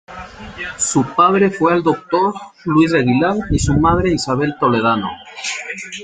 Su padre fue el doctor Luis de Aguilar y su madre Isabel Toledano.